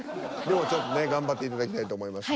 でもちょっとね頑張っていただきたいと思います。